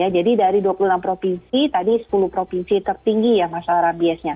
jadi dari dua puluh enam provinsi tadi sepuluh provinsi tertinggi masalah rabiesnya